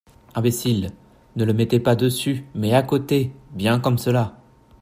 Imbécile, ne le mettez pas dessus, mais à côté. — Bien comme cela.